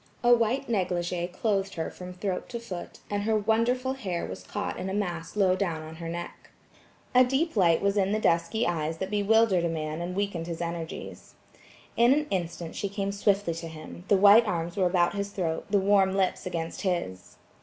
A white negligé clothed her from throat to foot, and her wonderful hair was caught in a mass low down on her neck. A deep light was in the dusky eyes that bewildered a man and weakened his energies. In an instant she came swiftly to him–the white arms were about his throat, the warm lips against his.